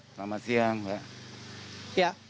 selamat siang pak